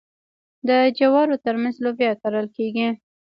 د جوارو ترمنځ لوبیا کرل کیږي.